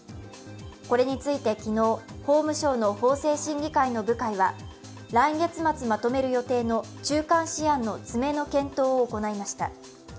これについて昨日、法務省の法制審議会の部会は来月末まとめる予定の中間試案の詰めの検討を行いました。